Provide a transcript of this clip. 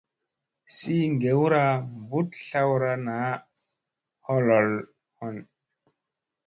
Sii ŋgewra mbuɗ tlawra naa a holhon.